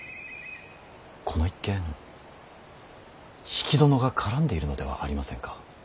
この一件比企殿が絡んでいるのではありませんか。